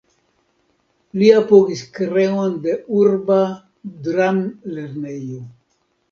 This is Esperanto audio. Li apogis kreon de Urba Dram-Lernejo.